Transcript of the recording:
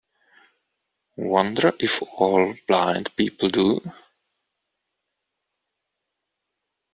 Wonder if all blind people do?